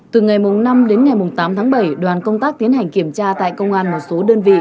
từ ngày năm đến ngày tám tháng bảy đoàn công tác tiến hành kiểm tra tại công an một số đơn vị